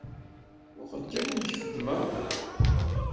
Muqel kan amek xeddmeɣ.